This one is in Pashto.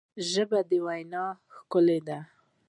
ژبه د وینا ښکلا ده